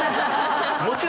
もちろん。